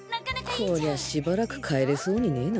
こりゃあしばらく帰れそうにねぇな